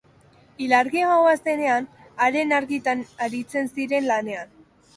Ilargi-gaua zenean, haren argitan aritzen ziren lanean.